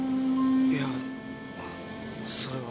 いやそれは。